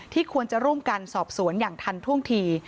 ควรจะร่วมกันสอบสวนอย่างทันท่วงที